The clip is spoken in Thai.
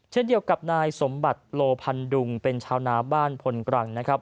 เช่นเดียวกับนายสมบัติโลพันดุงเป็นชาวนาบ้านพลกรังนะครับ